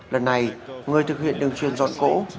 lần này người thực hiện đường chuyên giòn cổ